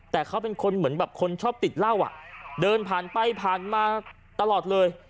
แต่เขาเป็นคนเหมือนแบบคนชอบติดเหล้าอ่ะเดินผ่านไปผ่านมาตลอดเลย